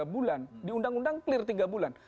tiga bulan diundang undang clear tiga bulan